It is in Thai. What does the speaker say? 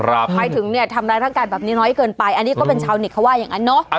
หมายถึงเนี่ยทำร้ายร่างกายแบบนี้น้อยเกินไปอันนี้ก็เป็นชาวเน็ตเขาว่าอย่างนั้นเนาะ